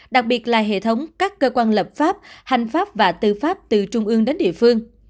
đặc biệt là hệ thống các cơ quan lập pháp hành pháp và tư pháp từ trung ương đến địa phương